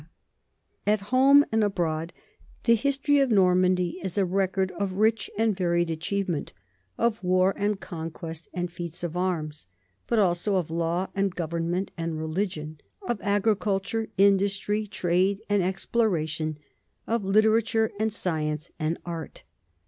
4 NORMANS IN EUROPEAN HISTORY At home and abroad the history of Normandy is a record of rich and varied achievement of war and conquest and feats of arms, but also of law and govern r ment and religion, of agriculture, industry, trade, and exploration, of literature and science and art.